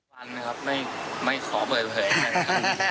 คุณพีชบอกไม่อยากให้เป็นข่าวดังเหมือนหวยโอนละเวง๓๐ล้านบาทที่การจนบรี